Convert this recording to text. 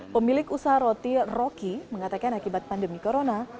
pemilik usaha roti rocky mengatakan akibat pandemi corona